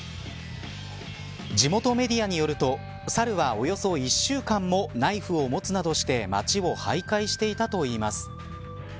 地元メディアによるとサルは、およそ１週間もナイフを持つなどして街を徘徊していたといいます。